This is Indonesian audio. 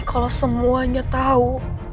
ini kalau semuanya tahu